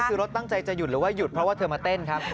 คือรถตั้งใจจะหยุดหรือว่าหยุดเพราะว่าเธอมาเต้นครับ